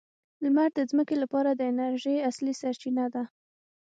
لمر د ځمکې لپاره د انرژۍ اصلي سرچینه ده.